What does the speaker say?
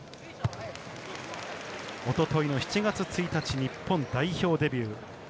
一昨日の７月１日、日本代表デビュー。